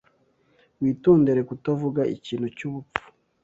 Witondere kutavuga ikintu cyubupfu.